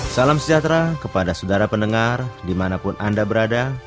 salam sejahtera kepada saudara pendengar dimanapun anda berada